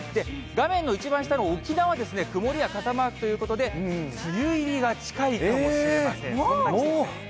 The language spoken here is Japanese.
画面の一番下の沖縄は曇りや傘マークということで、梅雨入りが近いかもしれません。